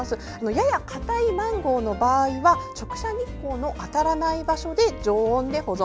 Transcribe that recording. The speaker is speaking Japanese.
ややかたいマンゴーについては直射日光の当たらない場所で常温で保存。